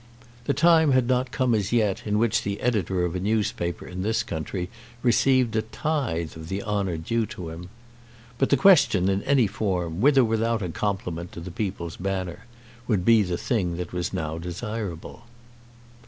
The time had not come as yet in which the editor of a newspaper in this country received a tithe of the honour due to him. But the question in any form, with or without a compliment to the "People's Banner," would be the thing that was now desirable.